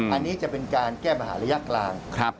อันนี้จะเป็นการแก้ปัญหาระยะกลาง